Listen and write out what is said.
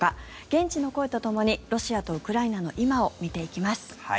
現地の声とともにロシアとウクライナの今を見ていきます。